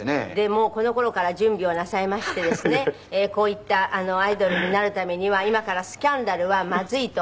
もうこの頃から準備をなさいましてですねこういったアイドルになるためには今からスキャンダルはまずいと。